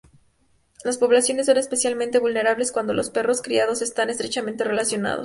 Las poblaciones son especialmente vulnerables cuando los perros criados están estrechamente relacionados.